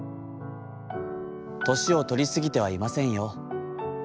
『年をとりすぎてはいませんよ。